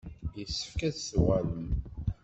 Yessefk ad d-tuɣalem.